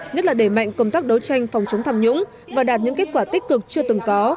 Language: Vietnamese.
nhất là đẩy mạnh công tác đấu tranh phòng chống tham nhũng và đạt những kết quả tích cực chưa từng có